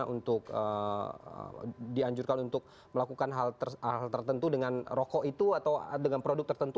untuk dianjurkan untuk melakukan hal hal tertentu dengan rokok itu atau dengan produk tertentu